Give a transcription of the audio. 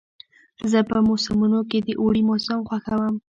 زه په موسمونو کې د اوړي موسم خوښوم.